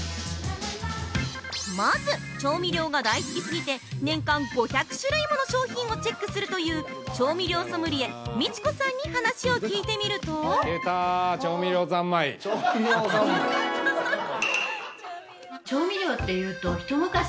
まず、調味料が大好きすぎて年間５００種もの商品をチェックするという調味料ソムリエ・ミチコさんに話を聞いてみると◆中でも記憶に新しいのが、「ほりにし」。